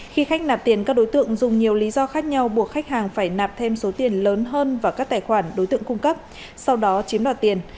khi khách nạp tiền các đối tượng dùng nhiều lý do khác nhau buộc khách hàng phải nạp thêm số tiền lớn hơn vào các tài khoản đối tượng cung cấp sau đó chiếm đoạt tiền